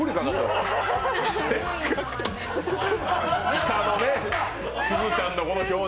いかのね、すずちゃんのこの表情。